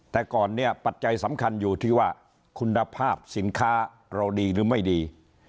แต่ก่อนเนี่ยปัจจัยสำคัญอยู่ที่ว่าคุณภาพสินค้าเราดีหรือไม่ดี